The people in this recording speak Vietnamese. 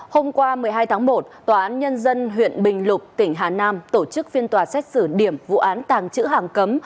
hôm qua một mươi hai tháng một tòa án nhân dân huyện bình lục tỉnh hà nam tổ chức phiên tòa xét xử điểm vụ án tàng trữ hàng cấm